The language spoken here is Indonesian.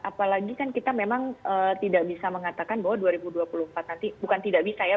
apalagi kan kita memang tidak bisa mengatakan bahwa dua ribu dua puluh empat nanti bukan tidak bisa ya